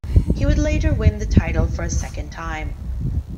He would later win the title for a second time.